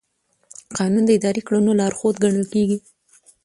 قانون د اداري کړنو لارښود ګڼل کېږي.